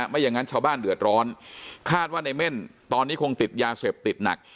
ไม่อย่างนั้นชาวบ้านเดือดร้อนคาดว่าในเม่นตอนนี้คงติดยาเสพติดหนัก